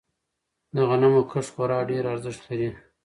د غنمو کښت خورا ډیر ارزښت لری.